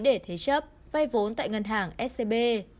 để thế chấp vay vốn tại ngân hàng scb